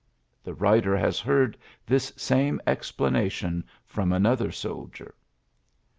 '' The writer has heard this same explana tion from another soldier.